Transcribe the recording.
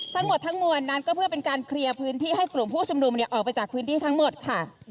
ทั้งหมดทั้งมวลนั้นก็เพื่อเป็นการเคลียร์พื้นที่ให้กลุ่มผู้ชุมนุมออกไปจากพื้นที่ทั้งหมดค่ะ